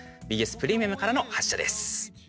ＢＳプレミアムからの発車です。